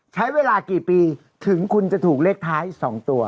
ใช้เวลากี่ปีถึงคุณจะถูกเลขท้าย๒ตัว